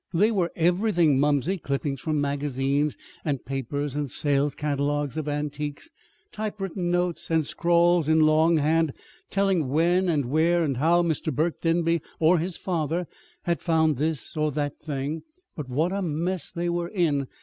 "They were everything, mumsey: clippings from magazines and papers and sales catalogues of antiques, typewritten notes, and scrawls in long hand telling when and where and how Mr. Burke Denby or his father had found this or that thing. But what a mess they were in!